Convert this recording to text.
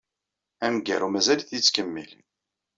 Amgaru mazal-it yettkemmil.